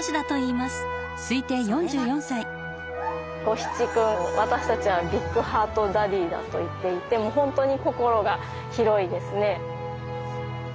ゴヒチ君私たちはビッグハートダディだと言っていて本当に心が広いですね。